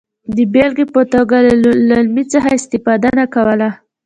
د بېلګې په توګه له لومې څخه استفاده نه کوله.